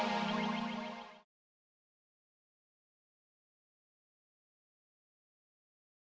ini mau berkembang ya